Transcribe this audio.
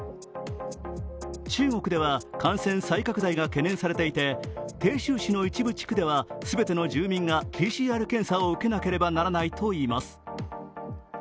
中国では感染再拡大が懸念されていて鄭州市の一部地区では全ての住民がＰＣＲ検査を受けなければならないといいます。